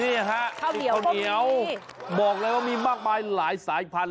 นี่ฮะข้าวเหนียวบอกเลยว่ามีมากมายหลายสายพันธุ